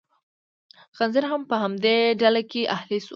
خنزیر هم په همدې ډله کې اهلي شو.